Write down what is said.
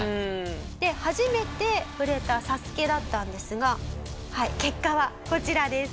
初めて触れた『ＳＡＳＵＫＥ』だったんですが結果はこちらです。